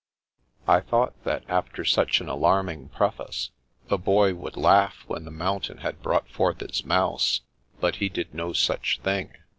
I thought that after such an alarming preface, the Boy would laugh when the mountain had brought forth its mouse, but he did no such thing.